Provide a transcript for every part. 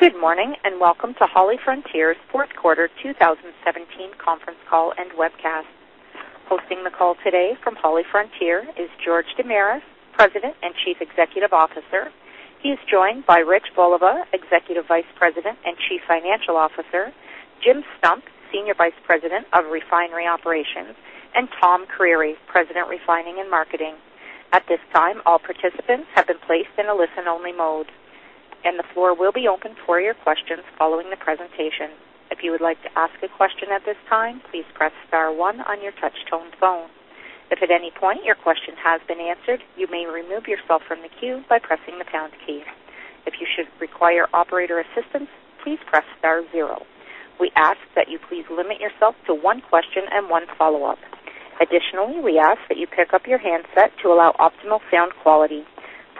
Good morning, and welcome to HollyFrontier's fourth quarter 2017 conference call and webcast. Hosting the call today from HollyFrontier is George Damiris, President and Chief Executive Officer. He's joined by Rich Voliva, Executive Vice President and Chief Financial Officer, Jim Stump, Senior Vice President of Refinery Operations, and Tom Creery, President, Refining and Marketing. At this time, all participants have been placed in a listen-only mode, and the floor will be open for your questions following the presentation. If you would like to ask a question at this time, please press star one on your touch-tone phone. If at any point your question has been answered, you may remove yourself from the queue by pressing the pound key. If you should require operator assistance, please press star zero. We ask that you please limit yourself to one question and one follow-up. Additionally, we ask that you pick up your handset to allow optimal sound quality.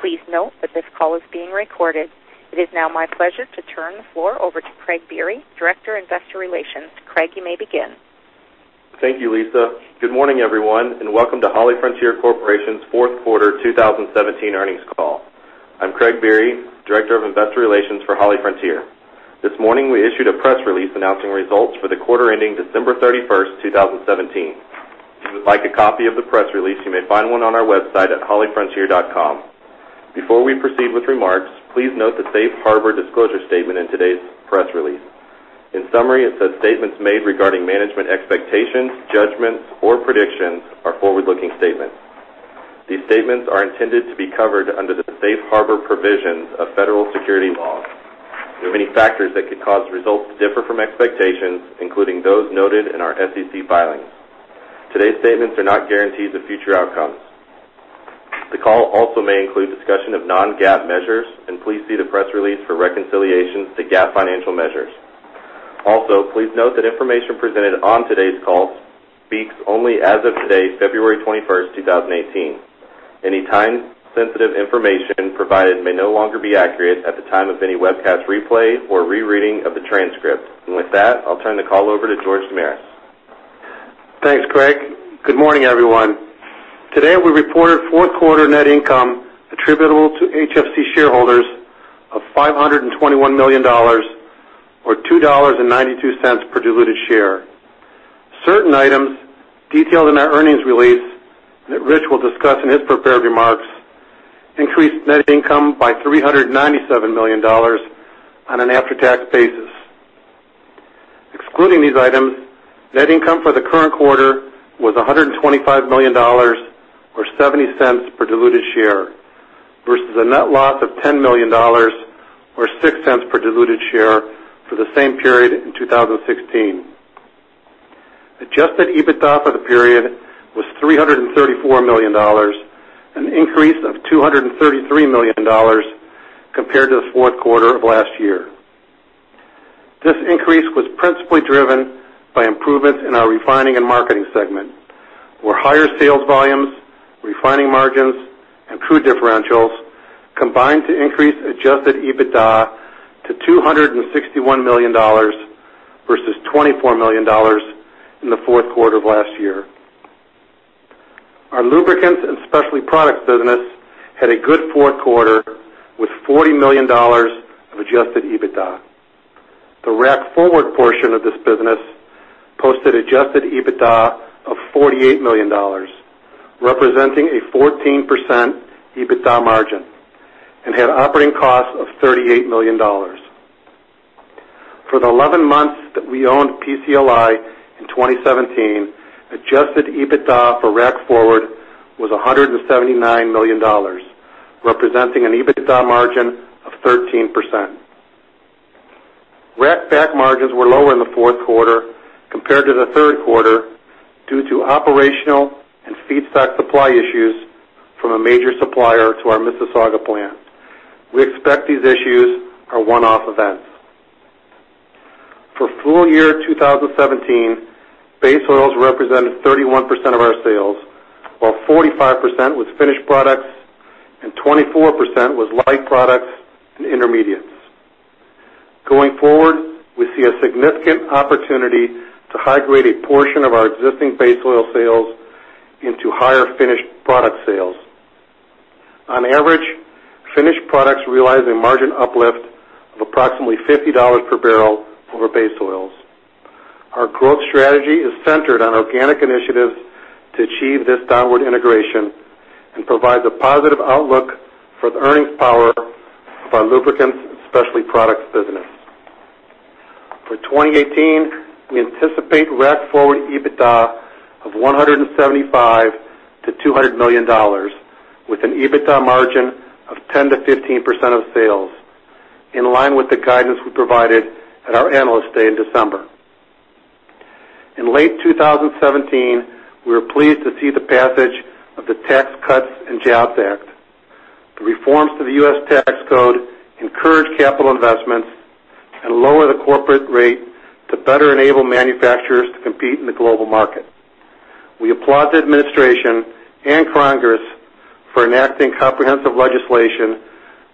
Please note that this call is being recorded. It is now my pleasure to turn the floor over to Craig Biery, Director, Investor Relations. Craig, you may begin. Thank you, Lisa. Good morning, everyone, and welcome to HollyFrontier Corporation's fourth quarter 2017 earnings call. I'm Craig Biery, Director of Investor Relations for HollyFrontier. This morning, we issued a press release announcing results for the quarter ending December 31st, 2017. If you would like a copy of the press release, you may find one on our website at hollyfrontier.com. Before we proceed with remarks, please note the safe harbor disclosure statement in today's press release. In summary, it says statements made regarding management expectations, judgments, or predictions are forward-looking statements. These statements are intended to be covered under the safe harbor provisions of federal securities laws. There are many factors that could cause results to differ from expectations, including those noted in our SEC filings. Today's statements are not guarantees of future outcomes. The call also may include discussion of non-GAAP measures, and please see the press release for reconciliations to GAAP financial measures. Also, please note that information presented on today's call speaks only as of today, February 21st, 2018. Any time-sensitive information provided may no longer be accurate at the time of any webcast replay or rereading of the transcript. With that, I'll turn the call over to George Damiris. Thanks, Craig. Good morning, everyone. Today, we reported fourth quarter net income attributable to HFC shareholders of $521 million, or $2.92 per diluted share. Certain items detailed in our earnings release that Rich will discuss in his prepared remarks increased net income by $397 million on an after-tax basis. Excluding these items, net income for the current quarter was $125 million, or $0.70 per diluted share, versus a net loss of $10 million or $0.06 per diluted share for the same period in 2016. Adjusted EBITDA for the period was $334 million, an increase of $233 million compared to the fourth quarter of last year. This increase was principally driven by improvements in our refining and marketing segment, where higher sales volumes, refining margins, and crude differentials combined to increase adjusted EBITDA to $261 million versus $24 million in the fourth quarter of last year. Our lubricants and specialty products business had a good fourth quarter with $40 million of adjusted EBITDA. The Rack Forward portion of this business posted adjusted EBITDA of $48 million, representing a 14% EBITDA margin, and had operating costs of $38 million. For the 11 months that we owned PCLI in 2017, adjusted EBITDA for Rack Forward was $179 million, representing an EBITDA margin of 13%. Rack Back margins were lower in the fourth quarter compared to the third quarter due to operational and feedstock supply issues from a major supplier to our Mississauga plant. We expect these issues are one-off events. For full year 2017, base oils represented 31% of our sales, while 45% was finished products and 24% was light products and intermediates. Going forward, we see a significant opportunity to upgrade a portion of our existing base oil sales into higher finished product sales. On average, finished products realize a margin uplift of approximately $50 per barrel over base oils. Our growth strategy is centered on organic initiatives to achieve this downward integration and provides a positive outlook for the earnings power of our lubricants and specialty products business. For 2018, we anticipate Rack Forward EBITDA of $175 million-$200 million with an EBITDA margin of 10%-15% of sales, in line with the guidance we provided at our Analyst Day in December. In late 2017, we were pleased to see the passage of the Tax Cuts and Jobs Act. The reforms to the U.S. tax code encourage capital investments and lower the corporate rate to better enable manufacturers to compete in the global market. We applaud the administration and Congress for enacting comprehensive legislation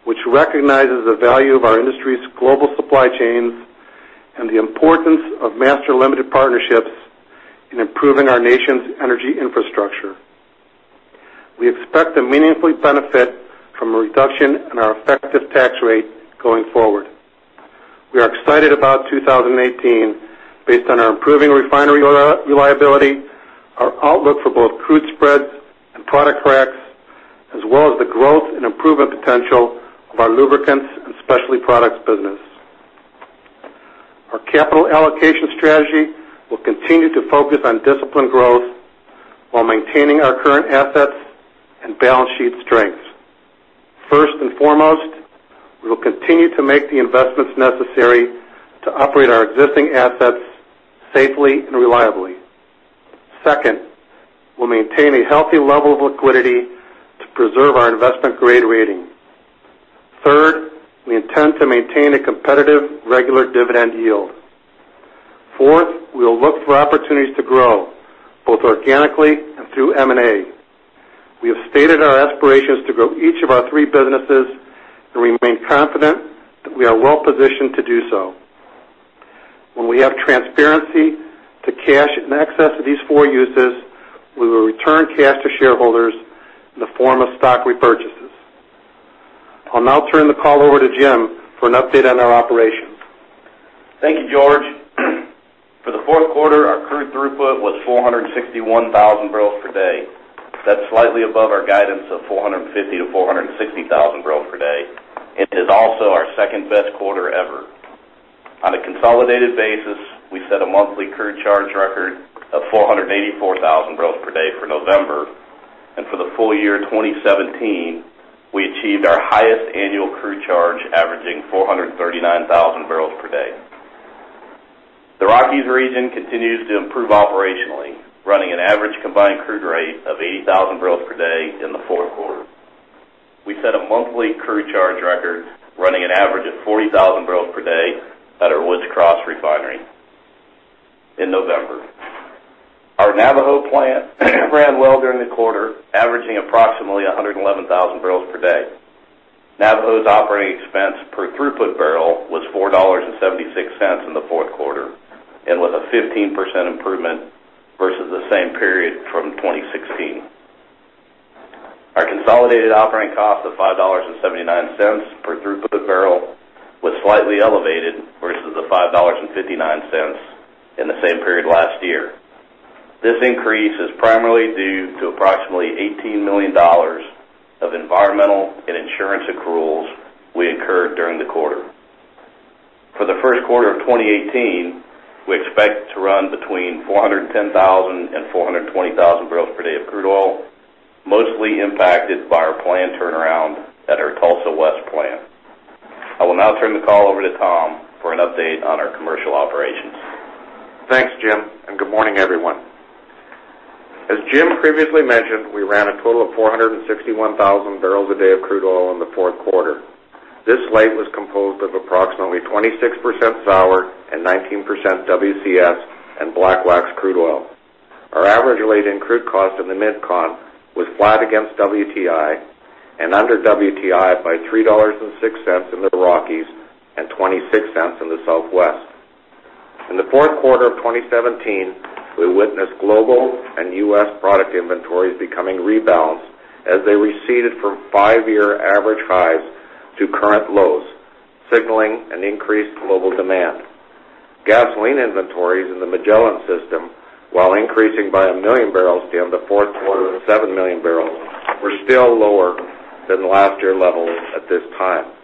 which recognizes the value of our industry's global supply chains and the importance of master limited partnerships in improving our nation's energy infrastructure. We expect to meaningfully benefit from a reduction in our effective tax rate going forward. We are excited about 2018 based on our improving refinery reliability, our outlook for both crude spreads and product cracks, as well as the growth and improvement potential of our lubricants and specialty products business. Our capital allocation strategy will continue to focus on disciplined growth while maintaining our current assets and balance sheet strengths. First and foremost, we will continue to make the investments necessary to operate our existing assets safely and reliably. Second, we'll maintain a healthy level of liquidity to preserve our investment-grade rating. Third, we intend to maintain a competitive regular dividend yield. Fourth, we will look for opportunities to grow, both organically and through M&A. We have stated our aspirations to grow each of our three businesses and remain confident that we are well-positioned to do so. When we have transparency to cash in excess of these four uses, we will return cash to shareholders in the form of stock repurchases. I'll now turn the call over to Jim for an update on our operations. Thank you, George. For the fourth quarter, our crude throughput was 461,000 barrels per day. That's slightly above our guidance of 450,000-460,000 barrels per day, and is also our second-best quarter ever. On a consolidated basis, we set a monthly crude charge record of 484,000 barrels per day for November, and for the full year 2017, we achieved our highest annual crude charge, averaging 439,000 barrels per day. The Rockies region continues to improve operationally, running an average combined crude rate of 80,000 barrels per day in the fourth quarter. We set a monthly crude charge record, running an average of 40,000 barrels per day at our Woods Cross Refinery in November. Our Navajo plant ran well during the quarter, averaging approximately 111,000 barrels per day. Navajo's operating expense per throughput barrel was $4.76 in the fourth quarter and was a 15% improvement versus the same period from 2016. Our consolidated operating cost of $5.79 per throughput barrel was slightly elevated versus the $5.59 in the same period last year. This increase is primarily due to approximately $18 million of environmental and insurance accruals we incurred during the quarter. For the first quarter of 2018, we expect to run between 410,000-420,000 barrels per day of crude oil, mostly impacted by our plant turnaround at our Tulsa West plant. I will now turn the call over to Tom for an update on our commercial operations. Thanks, Jim. Good morning, everyone. As Jim previously mentioned, we ran a total of 461,000 barrels a day of crude oil in the fourth quarter. This slate was composed of approximately 26% sour and 19% WCS and black wax crude oil. Our average relating crude cost in the MidCon was flat against WTI and under WTI by $3.06 in the Rockies and $0.26 in the Southwest. In the fourth quarter of 2017, we witnessed global and U.S. product inventories becoming rebalanced as they receded from five-year average highs to current lows, signaling an increased global demand. Gasoline inventories in the Magellan system, while increasing by 1 million barrels during the fourth quarter to seven million barrels, were still lower than last year levels at this time.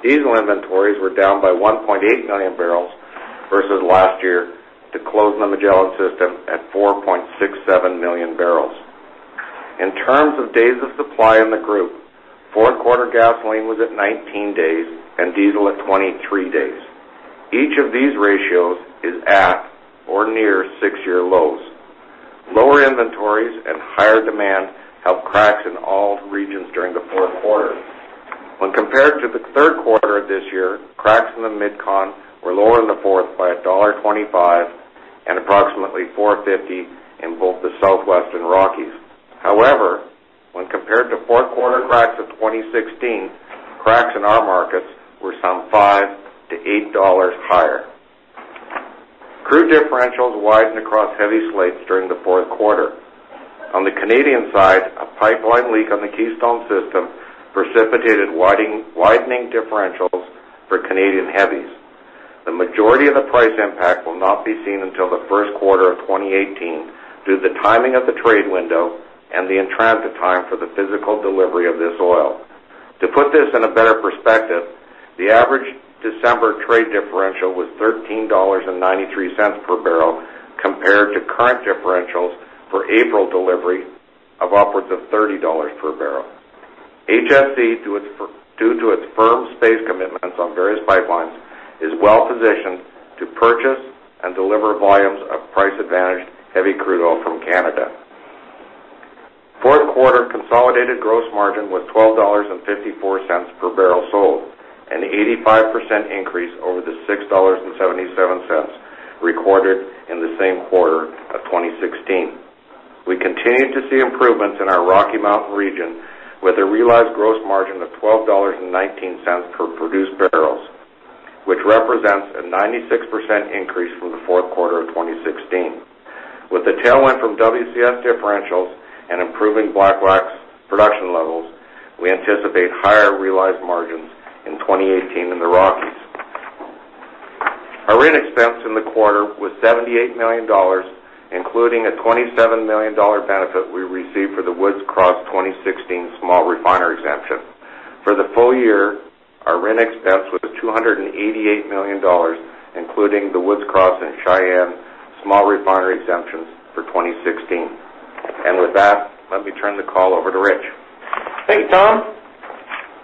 Diesel inventories were down by 1.8 million barrels versus last year to close the Magellan system at 4.67 million barrels. In terms of days of supply in the group, fourth quarter gasoline was at 19 days and diesel at 23 days. Each of these ratios is at or near six-year lows. Lower inventories and higher demand helped cracks in all regions during the fourth quarter. When compared to the third quarter of this year, cracks in the MidCon were lower in the fourth by $1.25 and approximately $4.50 in both the Southwest and Rockies. However, when compared to fourth quarter cracks of 2016, cracks in our markets were some $5-$8 higher. Crude differentials widened across heavy slates during the fourth quarter. On the Canadian side, a pipeline leak on the Keystone system precipitated widening differentials for Canadian heavies. The majority of the price impact will not be seen until the first quarter of 2018 due to the timing of the trade window and the transit time for the physical delivery of this oil. To put this in a better perspective, the average December trade differential was $13.93 per barrel compared to current differentials for April delivery of upwards of $30 per barrel. HFC, due to its firm space commitments on various pipelines, is well-positioned to purchase and deliver volumes of price-advantaged heavy crude oil from Canada. Fourth quarter consolidated gross margin was $12.54 per barrel sold, an 85% increase over the $6.77 recorded in the same quarter of 2016. We continue to see improvements in our Rocky Mountain region with a realized gross margin of $12.19 per produced barrels. Which represents a 96% increase from the fourth quarter of 2016. With the tailwind from WCS differentials and improving black wax production levels, we anticipate higher realized margins in 2018 in the Rockies. Our RIN expense in the quarter was $78 million, including a $27 million benefit we received for the Woods Cross 2016 small refiner exemption. For the full year, our RIN expense was $288 million, including the Woods Cross and Cheyenne small refiner exemptions for 2016. With that, let me turn the call over to Rich. Thanks, Tom.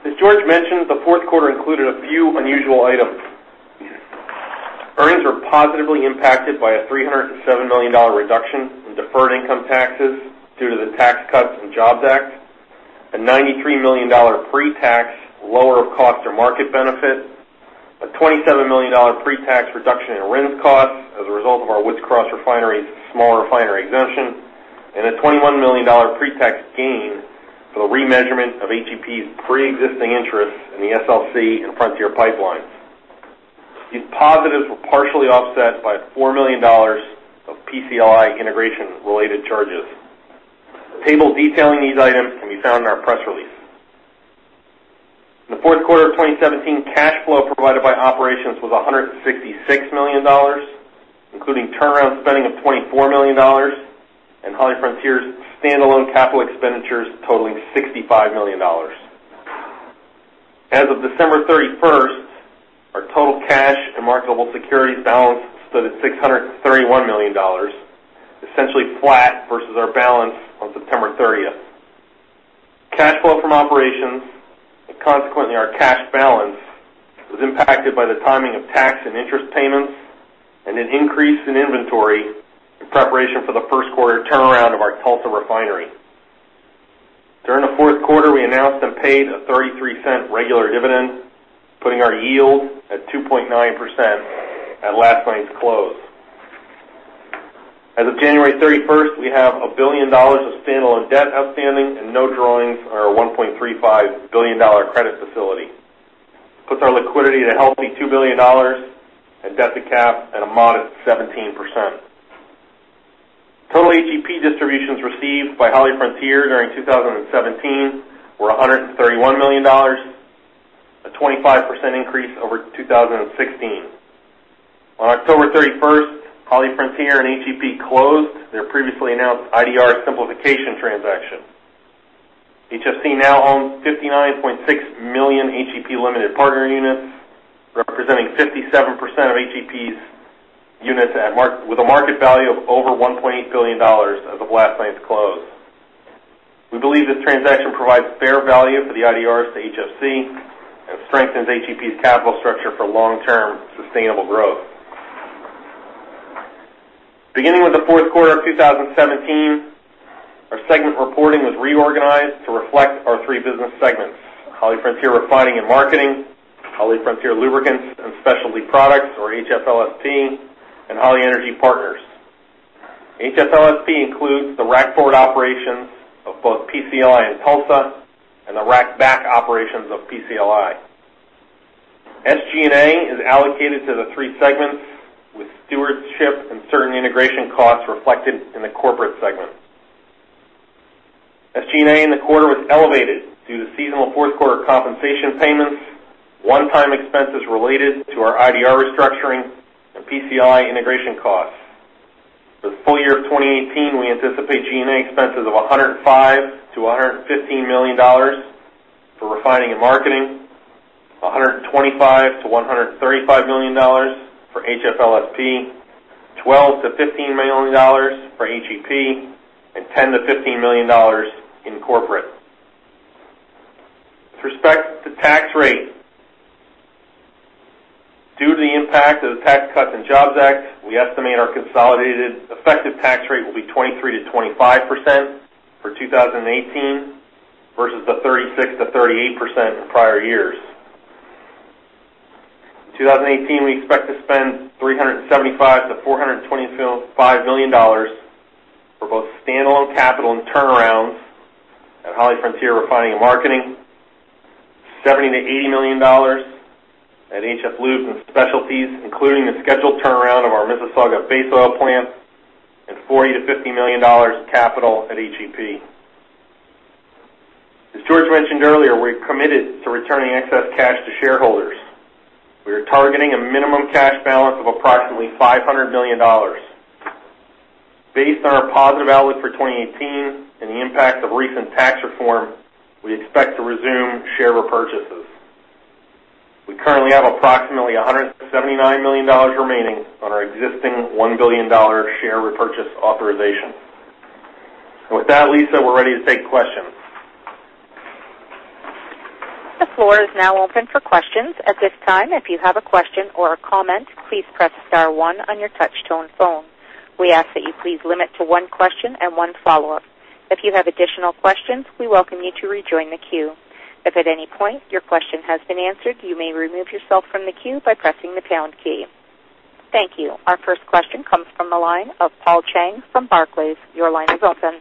As George mentioned, the fourth quarter included a few unusual items. Earnings were positively impacted by a $307 million reduction in deferred income taxes due to the Tax Cuts and Jobs Act, a $93 million pre-tax lower cost or market benefit, a $27 million pre-tax reduction in RIN costs as a result of our Woods Cross refinery's small refiner exemption, and a $21 million pre-tax gain for the remeasurement of HEP's preexisting interest in the SLC and Frontier Pipelines. These positives were partially offset by $4 million of PCLI integration related charges. A table detailing these items can be found in our press release. In the fourth quarter of 2017, cash flow provided by operations was $166 million, including turnaround spending of $24 million and HollyFrontier's standalone capital expenditures totaling $65 million. As of December 31st, our total cash and marketable securities balance stood at $631 million, essentially flat versus our balance on September 30th. Cash flow from operations, and consequently our cash balance, was impacted by the timing of tax and interest payments and an increase in inventory in preparation for the first quarter turnaround of our Tulsa refinery. During the fourth quarter, we announced and paid a $0.33 regular dividend, putting our yield at 2.9% at last night's close. As of January 31st, we have $1 billion of standalone debt outstanding and no drawings on our $1.35 billion credit facility. This puts our liquidity at a healthy $2 billion and debt to cap at a modest 17%. Total HEP distributions received by HollyFrontier during 2017 were $131 million, a 25% increase over 2016. On October 31st, HollyFrontier and HEP closed their previously announced IDR simplification transaction. HFC now owns 59.6 million HEP limited partner units, representing 57% of HEP's units with a market value of over $1.8 billion as of last night's close. We believe this transaction provides fair value for the IDRs to HFC and strengthens HEP's capital structure for long-term sustainable growth. Beginning with the fourth quarter of 2017, our segment reporting was reorganized to reflect our three business segments, HollyFrontier Refining and Marketing, HollyFrontier Lubricants and Specialty Products or HFLSP, and Holly Energy Partners. HFLSP includes the rack forward operations of both PCLI and Tulsa and the rack back operations of PCLI. SG&A is allocated to the three segments, with stewardship and certain integration costs reflected in the corporate segment. SG&A in the quarter was elevated due to seasonal fourth quarter compensation payments, one-time expenses related to our IDR restructuring, and PCLI integration costs. For the full year of 2018, we anticipate G&A expenses of $105 million-$115 million for Refining and Marketing, $125 million-$135 million for HFLSP, $12 million-$15 million for HEP, and $10 million-$15 million in corporate. With respect to tax rate, due to the impact of the Tax Cuts and Jobs Act, we estimate our consolidated effective tax rate will be 23%-25% for 2018 versus the 36%-38% in prior years. In 2018, we expect to spend $375 million-$425 million for both standalone capital and turnarounds at HollyFrontier Refining and Marketing, $70 million-$80 million at HF Lube and Specialties, including the scheduled turnaround of our Mississauga base oil plant, and $40 million-$50 million in capital at HEP. As George mentioned earlier, we're committed to returning excess cash to shareholders. We are targeting a minimum cash balance of approximately $500 million. Based on our positive outlook for 2018 and the impact of recent tax reform, we expect to resume share repurchases. We currently have approximately $179 million remaining on our existing $1 billion share repurchase authorization. With that, Lisa, we're ready to take questions. The floor is now open for questions. At this time, if you have a question or a comment, please press star one on your touch-tone phone. We ask that you please limit to one question and one follow-up. If you have additional questions, we welcome you to rejoin the queue. If at any point your question has been answered, you may remove yourself from the queue by pressing the pound key. Thank you. Our first question comes from the line of Paul Cheng from Barclays. Your line is open.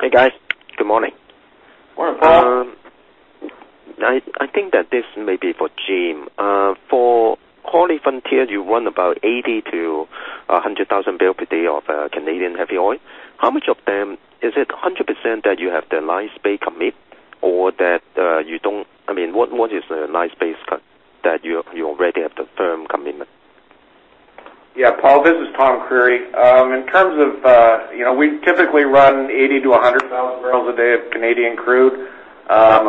Hey, guys. Good morning. I think that this may be for Jim. For HollyFrontier, you run about 80,000 to 100,000 barrel per day of Canadian heavy oil. How much of them, is it 100% that you have the line space commit? What is the line space that you already have the firm commitment? Yeah, Paul, this is Tom Creery. We typically run 80,000 to 100,000 barrels a day of Canadian crude.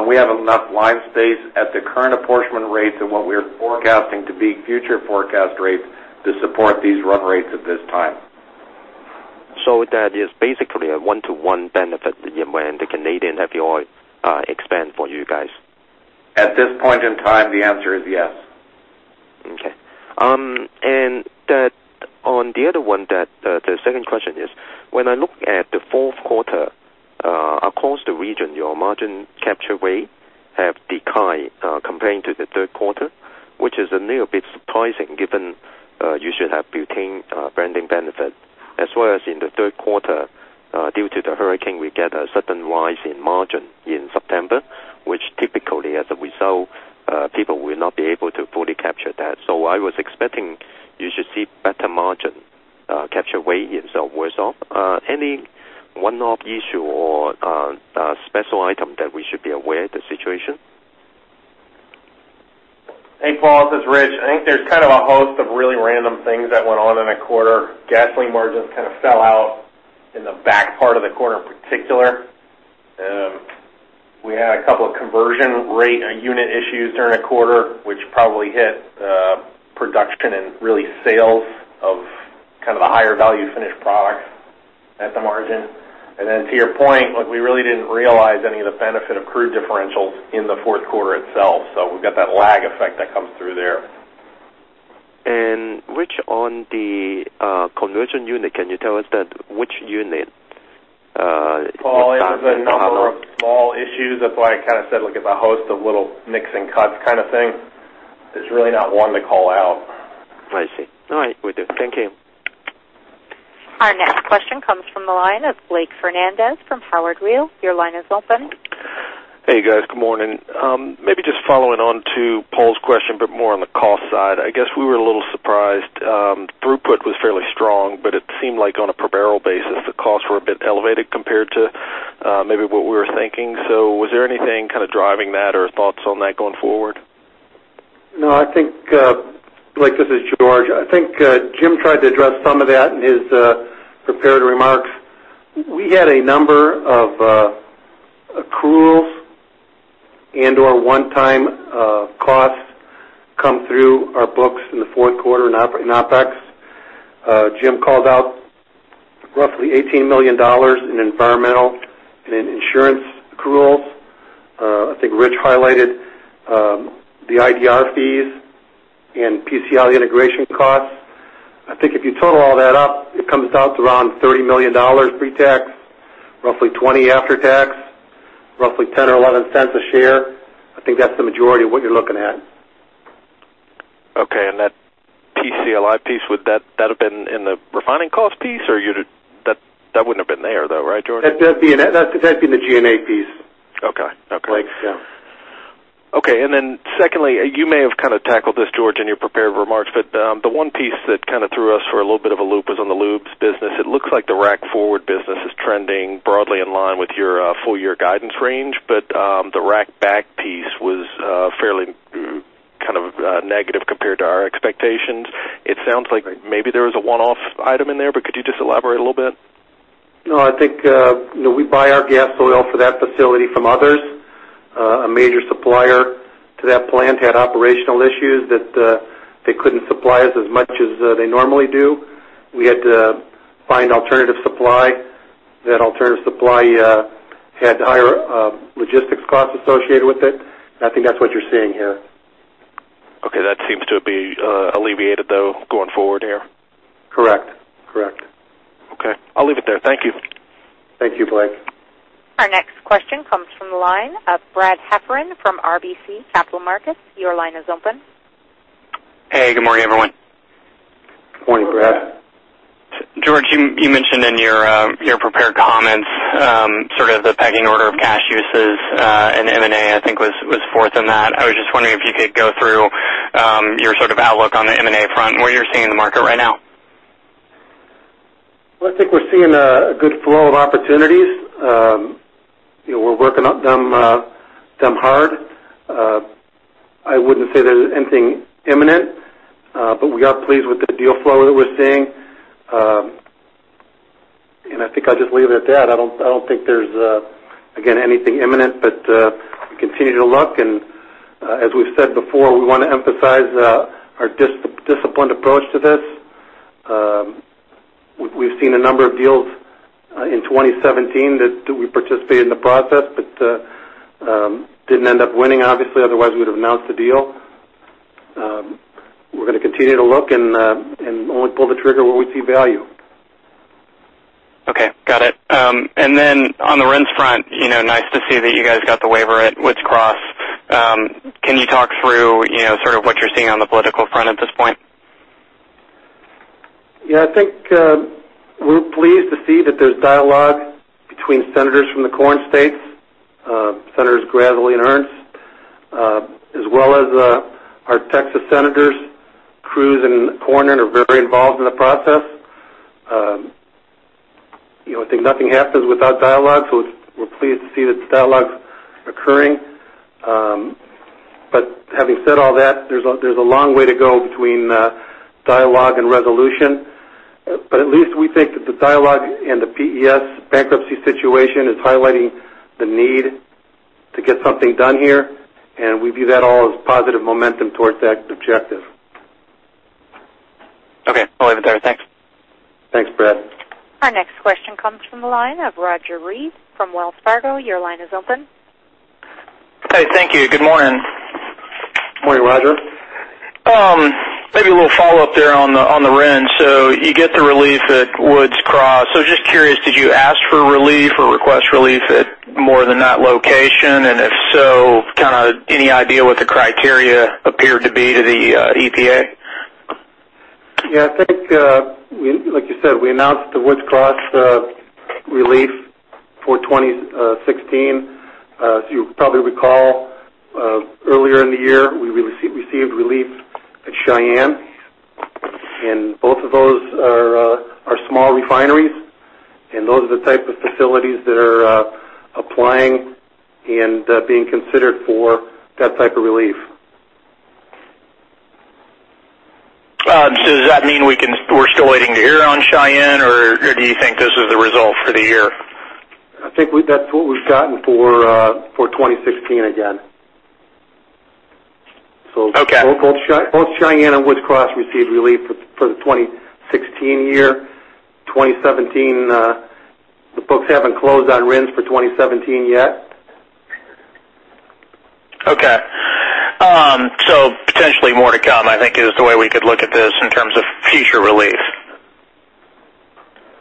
We have enough line space at the current apportionment rates and what we're forecasting to be future forecast rates to support these run rates at this time. That is basically a one-to-one benefit when the Canadian heavy oil expand for you guys. At this point in time, the answer is yes. Okay. On the other one, the second question is, when I look at the fourth quarter across the region, your margin capture rate have declined comparing to the third quarter, which is a little bit surprising given you should have butane blending benefit. In the third quarter, due to the hurricane, we get a certain rise in margin in September, which typically, as a result, people will not be able to fully capture that. I was expecting you should see better margin capture rate instead of worse off. Any one-off issue or special item that we should be aware the situation? Hey, Paul, this is Rich. I think there's a host of really random things that went on in a quarter. Gasoline margins fell out in the back part of the quarter in particular. We had a couple of conversion rate unit issues during the quarter, which probably hit production and really sales of the higher value finished products at the margin. Then to your point, we really didn't realize any of the benefit of crude differentials in the fourth quarter itself. We've got that lag effect that comes through there. Rich, on the conversion unit, can you tell us that which unit? Paul, it was a number of small issues. That's why I said it's a host of little mix and cuts kind of thing. There's really not one to call out. I see. All right, thank you. Our next question comes from the line of Blake Fernandez from Howard Weil. Your line is open. Hey, guys. Good morning. Maybe just following on to Paul's question, but more on the cost side. I guess we were a little surprised. Throughput was fairly strong, but it seemed like on a per barrel basis, the costs were a bit elevated compared to maybe what we were thinking. Was there anything driving that or thoughts on that going forward? No, Blake, this is George. I think Jim tried to address some of that in his prepared remarks. We had a number of accruals and/or one-time costs come through our books in the fourth quarter in OpEx. Jim called out roughly $18 million in environmental and in insurance accruals. I think Rich highlighted the IDR fees and PCLI integration costs. I think if you total all that up, it comes out to around $30 million pre-tax, roughly $20 million after tax, roughly $0.10 or $0.11 a share. I think that's the majority of what you're looking at. Okay. That PCLI piece, would that have been in the refining cost piece? That wouldn't have been there though, right, George? That'd be in the G&A piece. Okay. Blake, yeah. Okay. Secondly, you may have tackled this, George, in your prepared remarks, but the one piece that threw us for a little bit of a loop is on the lubes business. It looks like the Rack Forward business is trending broadly in line with your full year guidance range, but the Rack Back piece was fairly negative compared to our expectations. It sounds like maybe there was a one-off item in there, but could you just elaborate a little bit? No, I think we buy our gas oil for that facility from others. A major supplier to that plant had operational issues that they couldn't supply us as much as they normally do. We had to find alternative supply. That alternative supply had higher logistics costs associated with it. I think that's what you're seeing here. Okay. That seems to be alleviated though going forward there? Correct. Okay. I'll leave it there. Thank you. Thank you, Blake. Our next question comes from the line of Brad Heffern from RBC Capital Markets. Your line is open. Hey, good morning, everyone. Morning, Brad. George, you mentioned in your prepared comments the pecking order of cash uses and M&A I think was fourth in that. I was just wondering if you could go through your outlook on the M&A front and what you're seeing in the market right now? Well, I think we're seeing a good flow of opportunities. We're working on them hard. I wouldn't say there's anything imminent, but we are pleased with the deal flow that we're seeing. I think I'll just leave it at that. I don't think there's, again, anything imminent, but we continue to look. As we've said before, we want to emphasize our disciplined approach to this. We've seen a number of deals in 2017 that we participated in the process, but didn't end up winning, obviously. Otherwise, we would've announced the deal. We're going to continue to look and only pull the trigger when we see value. Okay, got it. Then on the RINs front, nice to see that you guys got the waiver at Woods Cross. Can you talk through what you're seeing on the political front? Yeah, I think we're pleased to see that there's dialogue between senators from the corn states, Senators Grassley and Ernst, as well as our Texas senators, Cruz and Cornyn, are very involved in the process. I think nothing happens without dialogue, so we're pleased to see that the dialogue's occurring. Having said all that, there's a long way to go between dialogue and resolution. At least we think that the dialogue and the PES bankruptcy situation is highlighting the need to get something done here, and we view that all as positive momentum towards that objective. Okay, I'll leave it there. Thanks. Thanks, Brad. Our next question comes from the line of Roger Read from Wells Fargo. Your line is open. Hey, thank you. Good morning. Morning, Roger. Maybe a little follow-up there on the RINs. You get the relief at Woods Cross. Just curious, did you ask for relief or request relief at more than that location? If so, any idea what the criteria appeared to be to the EPA? Yeah, I think, like you said, we announced the Woods Cross relief for 2016. As you probably recall, earlier in the year, we received relief at Cheyenne. Both of those are small refineries, and those are the type of facilities that are applying and being considered for that type of relief. Does that mean we're still waiting to hear on Cheyenne, or do you think this is the result for the year? I think that's what we've gotten for 2016 again. Okay. Both Cheyenne and Woods Cross received relief for the 2016 year. 2017, the books haven't closed on RINs for 2017 yet. Okay. Potentially more to come, I think, is the way we could look at this in terms of future relief.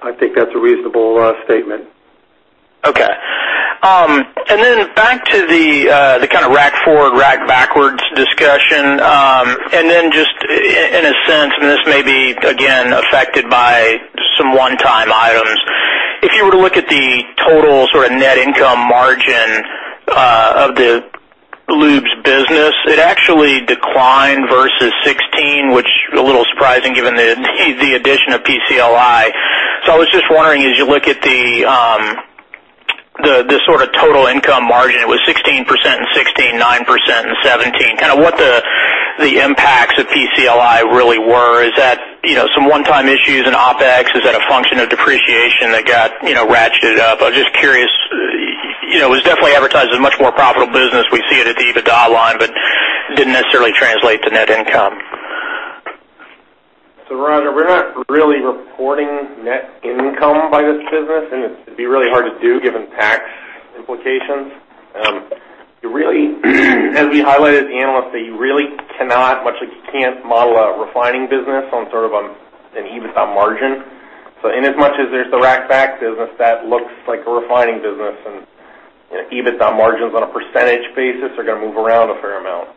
I think that's a reasonable statement. Back to the rack forward, Rack Back discussion. Just in a sense, and this may be, again, affected by some one-time items. If you were to look at the total net income margin of the lubes business, it actually declined versus 2016, which is a little surprising given the addition of PCLI. I was just wondering, as you look at the total income margin, it was 16% in 2016, 9% in 2017, what the impacts of PCLI really were. Is that some one-time issues in OpEx? Is that a function of depreciation that got ratcheted up? I was just curious. It was definitely advertised as a much more profitable business. We see it at the EBITDA line, but didn't necessarily translate to net income. Roger, we're not really reporting net income by this business, and it'd be really hard to do given tax implications. As we highlighted to analysts, that you really cannot model a refining business on an EBITDA margin. In as much as there's the rack back business that looks like a refining business, and EBITDA margins on a percentage basis are going to move around a fair amount.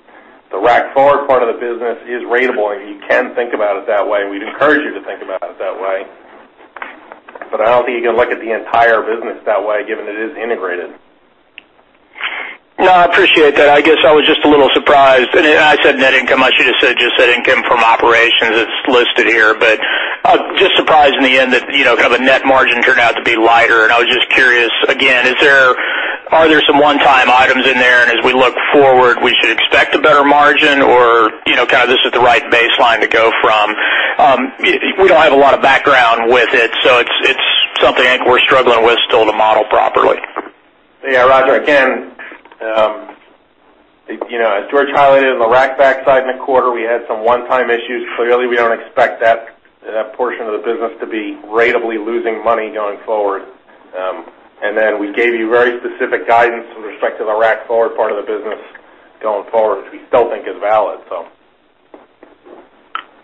The rack forward part of the business is ratable, and you can think about it that way, and we'd encourage you to think about it that way. I don't think you can look at the entire business that way, given it is integrated. No, I appreciate that. I guess I was just a little surprised. I said net income, I should have just said income from operations. It's listed here, but just surprised in the end that the net margin turned out to be lighter. I was just curious, again, are there some one-time items in there? As we look forward, we should expect a better margin? This is the right baseline to go from. We don't have a lot of background with it, so it's something I think we're struggling with still to model properly. Yeah, Roger, again, as George highlighted on the Rack back side in the quarter, we had some one-time issues. Clearly, we don't expect that portion of the business to be ratably losing money going forward. We gave you very specific guidance with respect to the Rack Forward part of the business going forward, which we still think is valid.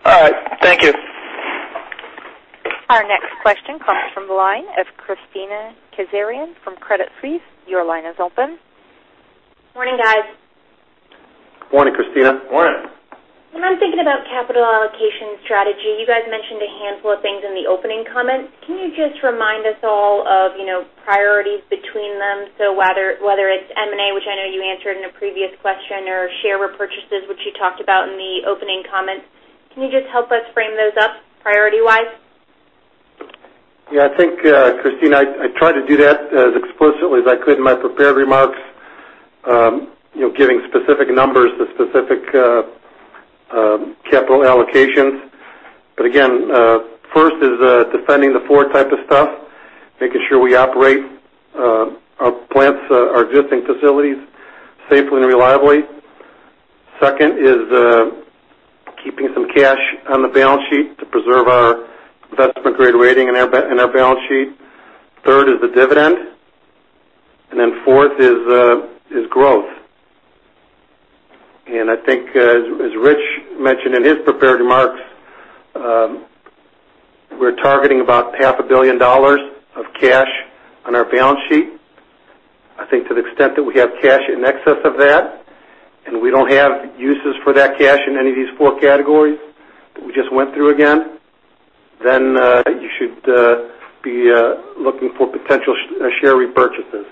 All right. Thank you. Our next question comes from the line of Kristina Kazarian from Credit Suisse. Your line is open. Morning, guys. Morning, Kristina. Morning. When I'm thinking about capital allocation strategy, you guys mentioned a handful of things in the opening comments. Can you just remind us all of priorities between them? Whether it's M&A, which I know you answered in a previous question, or share repurchases, which you talked about in the opening comments, can you just help us frame those up priority-wise? Yeah, I think, Kristina, I tried to do that as explicitly as I could in my prepared remarks, giving specific numbers to specific capital allocations. First is defending the four type of stuff, making sure we operate our plants, our existing facilities safely and reliably. Second is keeping some cash on the balance sheet to preserve our investment-grade rating in our balance sheet. Third is the dividend, and fourth is growth. I think as Rich mentioned in his prepared remarks, we're targeting about half a billion dollars of cash on our balance sheet. To the extent that we have cash in excess of that, and we don't have uses for that cash in any of these four categories that we just went through again, you should be looking for potential share repurchases.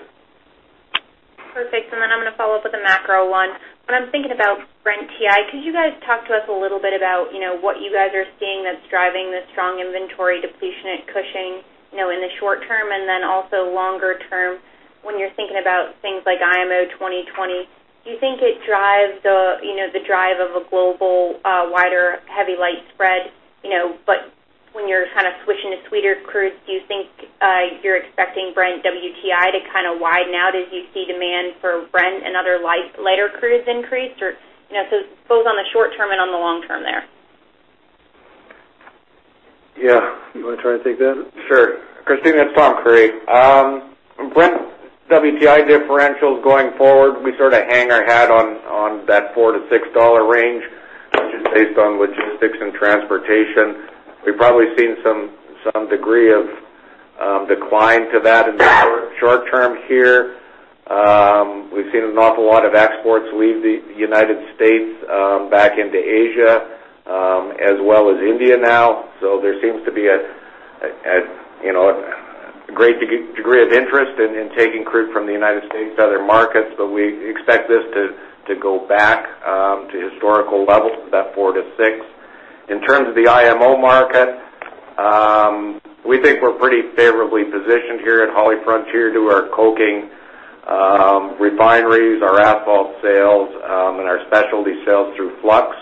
Perfect. I'm going to follow up with a macro one. When I'm thinking about Brent-WTI, could you guys talk to us a little bit about what you guys are seeing that's driving the strong inventory depletion at Cushing in the short term, and also longer term when you're thinking about things like IMO 2020? Do you think it drives the drive of a global wider heavy light spread? When you're switching to sweeter crude, do you think you're expecting Brent-WTI to widen out as you see demand for Brent and other lighter crudes increase? Both on the short term and on the long term there. Yeah. You want to try to take that? Sure. Kristina, it's Tom Creery. Brent-WTI differentials going forward, we sort of hang our hat on that $4-$6 range, which is based on logistics and transportation. We've probably seen some degree of decline to that in the short term here. We've seen an awful lot of exports leave the U.S. back into Asia, as well as India now. There seems to be a great degree of interest in taking crude from the U.S. to other markets. We expect this to go back to historical levels, that $4-$6. In terms of the IMO market, we think we're pretty favorably positioned here at HollyFrontier through our coking refineries, our asphalt sales, and our specialty sales through Flux.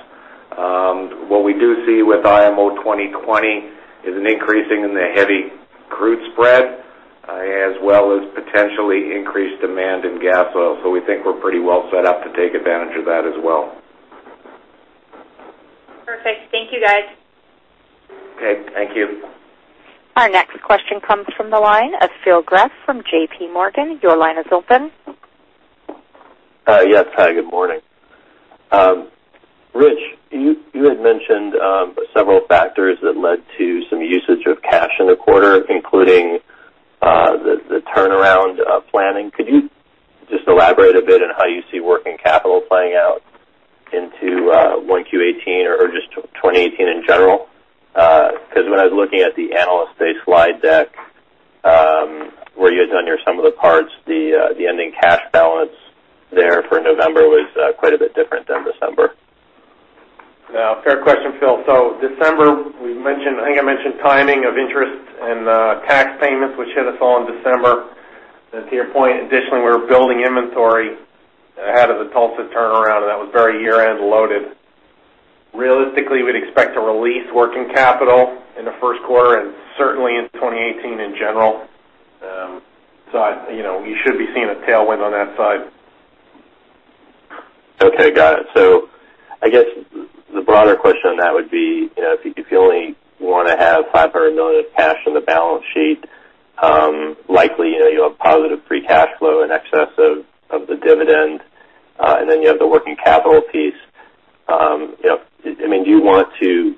What we do see with IMO 2020 is an increasing in the heavy crude spread, as well as potentially increased demand in gas oil. We think we're pretty well set up to take advantage of that as well. Perfect. Thank you, guys. Okay, thank you. Our next question comes from the line of Phil Gresh from JPMorgan. Your line is open. Yes. Hi, good morning. Rich, you had mentioned several factors that led to some usage of cash in the quarter, including the turnaround planning. Could you just elaborate a bit on how you see working capital playing out into 1Q 2018 or just 2018 in general? Because when I was looking at the Analyst Day slide deck, where you had done your sum of the parts, the ending cash balance there for November was quite a bit different than December. December, I think I mentioned timing of interest and tax payments, which hit us all in December. To your point, additionally, we were building inventory ahead of the Tulsa turnaround, and that was very year-end loaded. Realistically, we'd expect to release working capital in the first quarter and certainly in 2018 in general. You should be seeing a tailwind on that side. I guess the broader question on that would be, if you only want to have $500 million of cash on the balance sheet, likely you'll have positive free cash flow in excess of the dividend. And then you have the working capital piece. Do you want to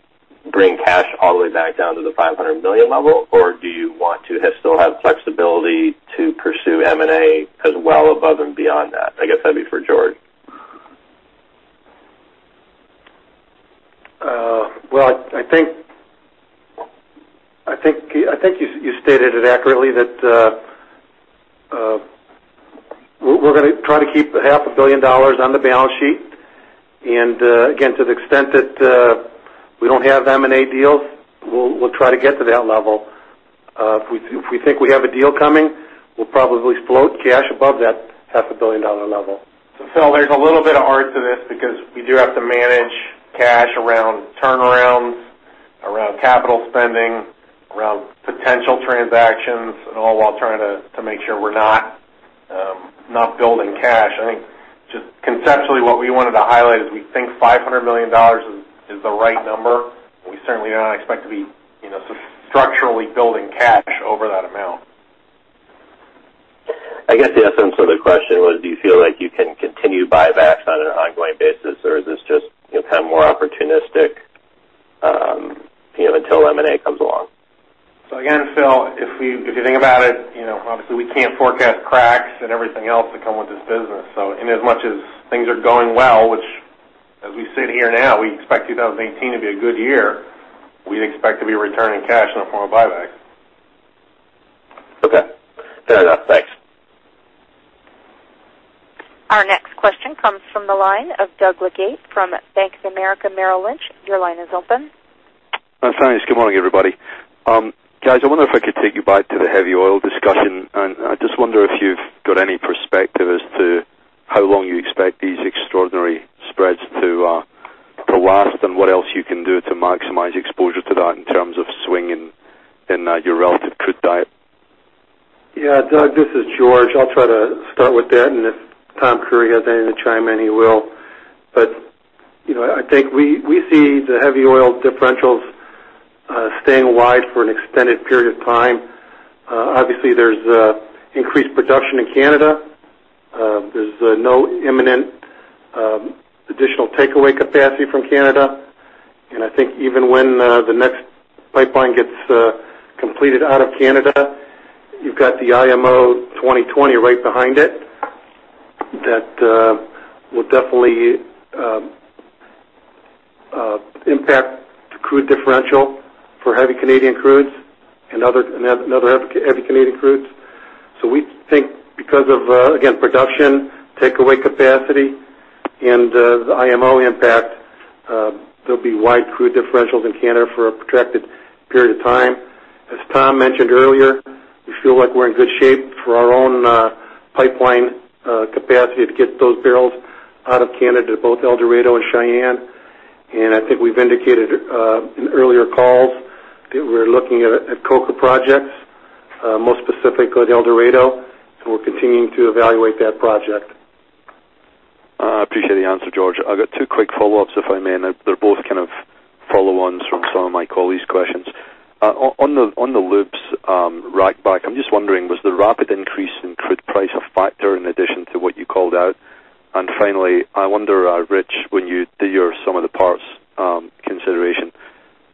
bring cash all the way back down to the $500 million level, or do you want to still have flexibility to pursue M&A as well above and beyond that? I guess that'd be for George. Well, I think you stated it accurately that we're going to try to keep half a billion dollars on the balance sheet. Again, to the extent that we don't have M&A deals, we'll try to get to that level. If we think we have a deal coming, we'll probably float cash above that half a billion dollar level. Phil, there's a little bit of art to this because we do have to manage cash around turnarounds, around capital spending, around potential transactions, and all while trying to make sure we're not building cash. I think just conceptually, what we wanted to highlight is we think $500 million is the right number, we certainly do not expect to be structurally building cash over that amount. I guess the essence of the question was do you feel like you can continue buybacks on an ongoing basis, or is this just more opportunistic until M&A comes along? Again, Phil, if you think about it, obviously we can't forecast cracks and everything else that come with this business. In as much as things are going well, which as we sit here now, we expect 2018 to be a good year. We'd expect to be returning cash in the form of buybacks. Okay. Fair enough. Thanks. Our next question comes from the line of Doug Leggate from Bank of America Merrill Lynch. Your line is open. Thanks. Good morning, everybody. Guys, I wonder if I could take you back to the heavy oil discussion. I just wonder if you've got any perspective as to how long you expect these extraordinary spreads to last and what else you can do to maximize exposure to that in terms of swing and your relative crude diet. Yeah. Doug, this is George. I'll try to start with that, if Tom Creery has anything to chime in, he will. I think we see the heavy oil differentials staying wide for an extended period of time. Obviously, there's increased production in Canada. There's no imminent takeaway capacity from Canada. I think even when the next pipeline gets completed out of Canada, you've got the IMO 2020 right behind it. That will definitely impact the crude differential for heavy Canadian crudes and other heavy Canadian crudes. We think because of, again, production takeaway capacity and the IMO impact, there'll be wide crude differentials in Canada for a protracted period of time. As Tom mentioned earlier, we feel like we're in good shape for our own pipeline capacity to get those barrels out of Canada, both El Dorado and Cheyenne. I think we've indicated in earlier calls that we're looking at COCA projects, most specifically El Dorado, and we're continuing to evaluate that project. I appreciate the answer, George. I've got two quick follow-ups, if I may. They're both follow-ons from some of my colleagues' questions. On the lubes Rack back, I'm just wondering, was the rapid increase in crude price a factor in addition to what you called out? Finally, I wonder, Rich, when you do your sum of the parts consideration,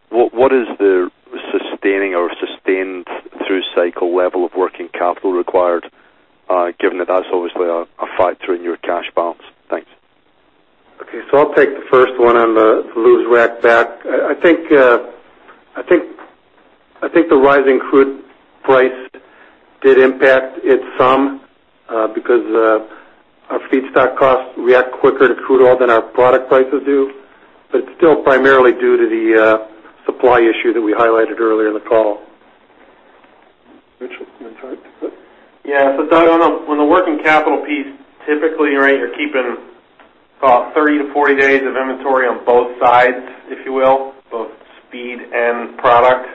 what is the sustaining or sustained through-cycle level of working capital required, given that's obviously a factor in your cash balance? Thanks. Okay. I'll take the first one on the lubes Rack back. I think the rising crude price did impact it some because our feedstock costs react quicker to crude oil than our product prices do. Still primarily due to the supply issue that we highlighted earlier in the call. Rich, do you want to take this? Doug, on the working capital piece, typically, you're keeping about 30 to 40 days of inventory on both sides, if you will, both speed and product.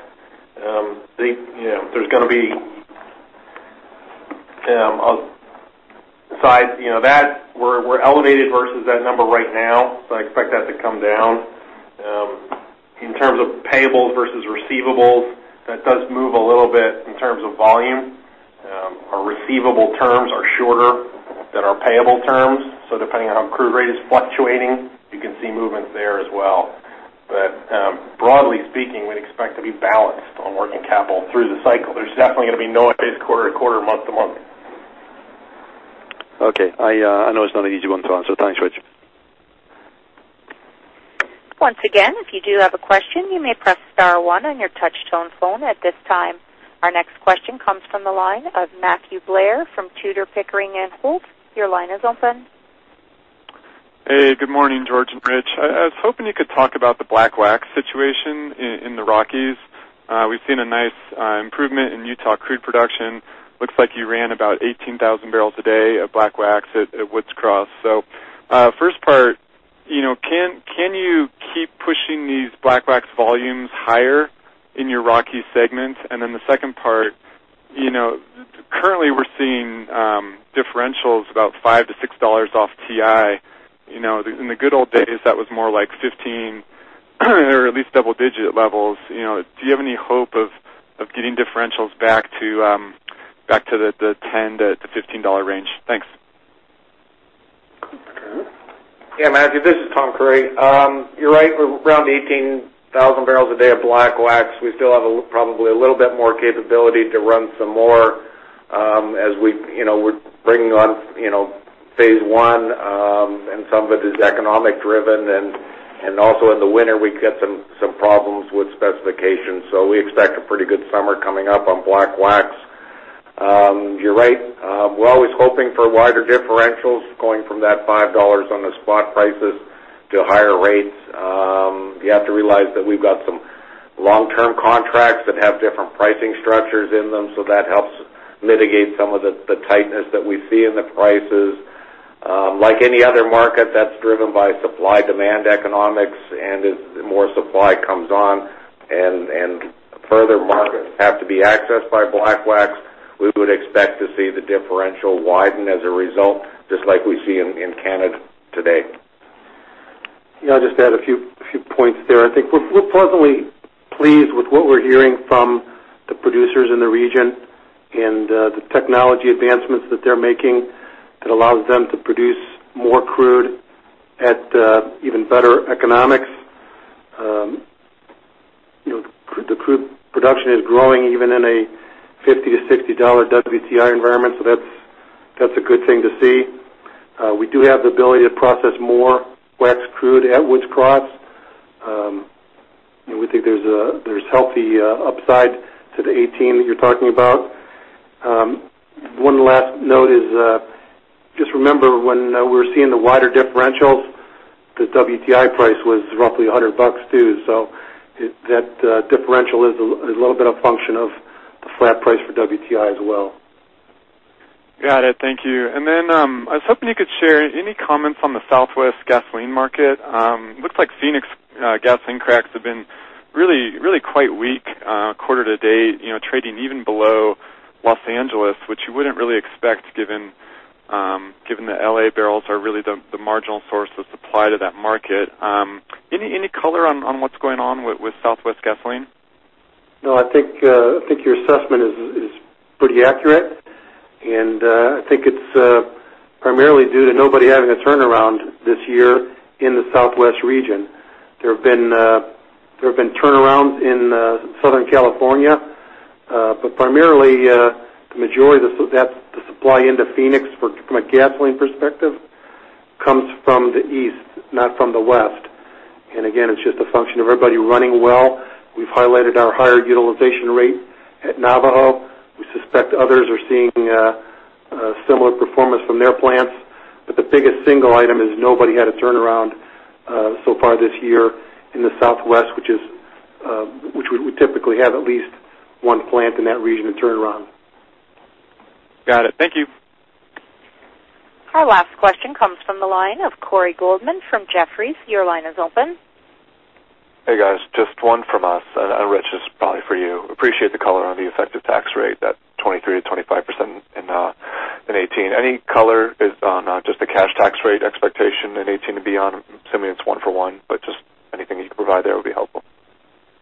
Besides that, we're elevated versus that number right now, I expect that to come down. In terms of payables versus receivables, that does move a little bit in terms of volume. Our receivable terms are shorter than our payable terms. Depending on how crude rate is fluctuating, you can see movements there as well. Broadly speaking, we'd expect to be balanced on working capital through the cycle. There's definitely going to be noise quarter-to-quarter, month-to-month. Okay. I know it's not an easy one to answer. Thanks, Rich. Once again, if you do have a question, you may press star one on your touch-tone phone at this time. Our next question comes from the line of Matthew Blair from Tudor, Pickering, Holt & Co. Your line is open. Good morning, George and Rich. I was hoping you could talk about the black wax situation in the Rockies. We've seen a nice improvement in Utah crude production. Looks like you ran about 18,000 barrels a day of black wax at Woods Cross. First part, can you keep pushing these black wax volumes higher in your Rockies segments? The second part, currently we're seeing differentials about $5-$6 off WTI. In the good old days, that was more like 15 or at least double-digit levels. Do you have any hope of getting differentials back to the $10-$15 range? Thanks. Yeah, Matthew, this is Tom Creery. You're right. We're around 18,000 barrels a day of black wax. We still have probably a little bit more capability to run some more as we're bringing on phase 1, and some of it is economic driven, and also in the winter, we get some problems with specifications. We expect a pretty good summer coming up on black wax. You're right. We're always hoping for wider differentials going from that $5 on the spot prices to higher rates. You have to realize that we've got some long-term contracts that have different pricing structures in them, that helps mitigate some of the tightness that we see in the prices. Like any other market, that's driven by supply-demand economics, and as more supply comes on and further markets have to be accessed by black wax, we would expect to see the differential widen as a result, just like we see in Canada today. Yeah, I'll just add a few points there. I think we're pleasantly pleased with what we're hearing from the producers in the region and the technology advancements that they're making that allows them to produce more crude at even better economics. The crude production is growing even in a $50 to $60 WTI environment, that's a good thing to see. We do have the ability to process more wax crude at Woods Cross. We think there's healthy upside to the 18 that you're talking about. One last note is, just remember when we were seeing the wider differentials, the WTI price was roughly $100 too. That differential is a little bit a function of the flat price for WTI as well. Got it. Thank you. I was hoping you could share any comments on the Southwest gasoline market. Looks like Phoenix gasoline cracks have been really quite weak quarter to date, trading even below Los Angeles, which you wouldn't really expect given the L.A. barrels are really the marginal source of supply to that market. Any color on what's going on with Southwest gasoline? No, I think your assessment is pretty accurate. I think it's primarily due to nobody having a turnaround this year in the Southwest region. There have been turnarounds in Southern California. Primarily, the majority of the supply into Phoenix from a gasoline perspective comes from the east, not from the west. Again, it's just a function of everybody running well. We've highlighted our higher utilization rate at Navajo. We suspect others are seeing a similar performance from their plants. The biggest single item is nobody had a turnaround so far this year in the Southwest, which we typically have at least one plant in that region in turnaround. Got it. Thank you. Our last question comes from the line of Corey Goldman from Jefferies. Your line is open. Hey, guys. Just one from us. Rich, this is probably for you. Appreciate the color on the effective tax rate, that 23%-25% in 2018. Any color on just the cash tax rate expectation in 2018 and beyond? I'm assuming it's one for one. Just anything you can provide there would be helpful.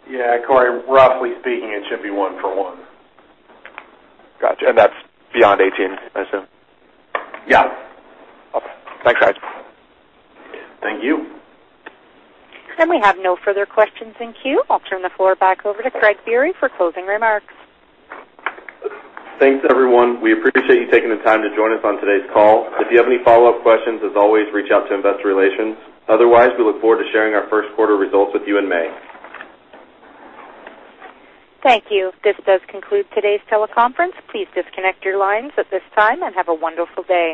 Yeah, Corey, roughly speaking, it should be one for one. Got you. That's beyond 2018, I assume? Yeah. Okay. Thanks, guys. Thank you. We have no further questions in queue. I'll turn the floor back over to Craig Biery for closing remarks. Thanks, everyone. We appreciate you taking the time to join us on today's call. If you have any follow-up questions, as always, reach out to investor relations. Otherwise, we look forward to sharing our first quarter results with you in May. Thank you. This does conclude today's teleconference. Please disconnect your lines at this time, and have a wonderful day.